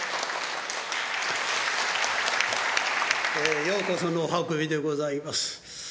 えようこそのお運びでございます。